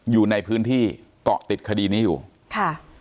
อยู่ในพื้นที่เกาะติดคดีนี้อยู่ค่ะ